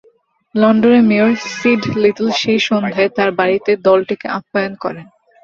লন্ডনের mayor Sid Little সেই সন্ধ্যায় তার বাড়িতে দলটিকে আপ্যায়ন করেন।